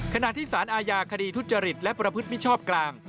ขณะที่สารอาญาคดีทุจริตและประพฤติมิชชอบกลาง